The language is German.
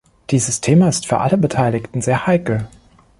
Dieses Thema ist für alle Beteiligten sehr heikel.